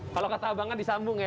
kalau kata abangan disambung ya